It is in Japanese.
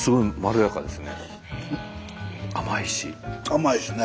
甘いしね。